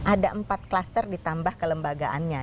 ada empat klaster ditambah kelembagaannya